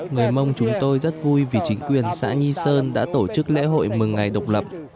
người mông chúng tôi rất vui vì chính quyền xã nhi sơn đã tổ chức lễ hội mừng ngày độc lập